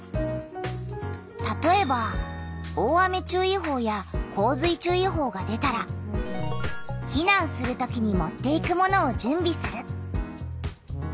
たとえば大雨注意報や洪水注意報が出たら「避難する時に持っていくものを準備する」。